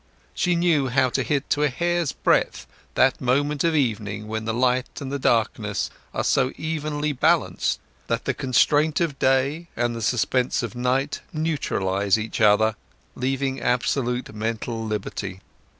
She knew how to hit to a hair's breadth that moment of evening when the light and the darkness are so evenly balanced that the constraint of day and the suspense of night neutralize each other, leaving absolute mental liberty.